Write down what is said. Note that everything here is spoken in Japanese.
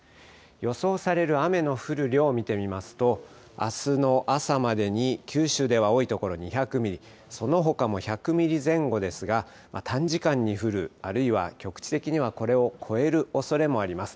予想される雨の降る量を見てみますと、あすの朝までに九州では多い所２００ミリ、そのほかも１００ミリ前後ですが、短時間に降る、あるいは局地的にはこれを超えるおそれもあります。